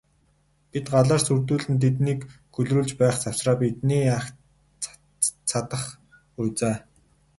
Бид галаар сүрдүүлэн тэднийг гөлрүүлж байх завсраа бидний агт цадах буй за.